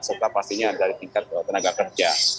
serta pastinya dari tingkat tenaga kerja